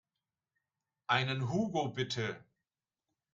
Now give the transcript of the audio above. Einen Hugo bitte.